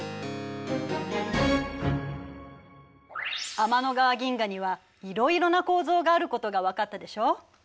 天の川銀河にはいろいろな構造があることがわかったでしょう？